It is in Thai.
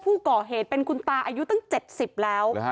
ผู้ก่อเหตุเป็นคุณตาอายุตั้ง๗๐แล้ว